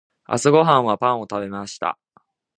朝ごはんはパンを食べました。